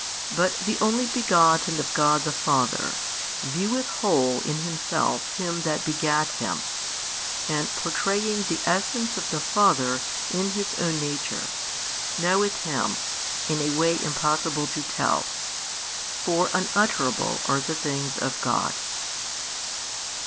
But the Only Begotten of God the Father, vieweth Whole in Himself Him That begat Him, and pourtraying the Essence of the Father in His Own Nature, knoweth Him, in a way impossible to tell: for unutterable are the things of God.